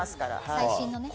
最新のね。